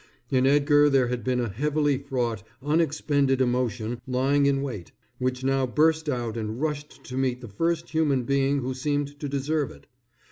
In Edgar there had been a heavily fraught, unexpended emotion lying in wait, which now burst out and rushed to meet the first human being who seemed to deserve it.